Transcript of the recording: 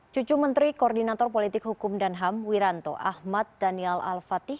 cucu menteri koordinator politik hukum dan ham wiranto ahmad daniel al fatih